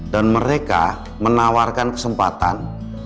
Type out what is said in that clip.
dan mereka menawarkan kesempatan